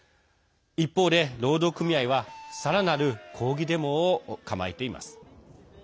一方で労働組合はさらなる抗議デモを構えています。